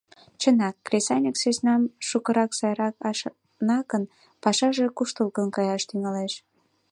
Чынак, кресаньык сӧснам шукырак, сайрак ашна гын, пашаже куштылгын каяш тӱҥалеш.